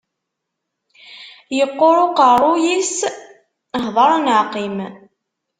Yeqqur uqerruy-is, hdeṛ neɣ qqim.